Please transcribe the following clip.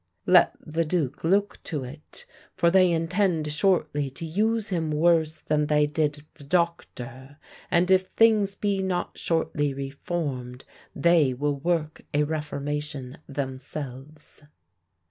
P/ Let the duke look to it; for they intend shortly to use him worse than they did the doctor; and if things be not shortly reformed they will work a reformation themselves.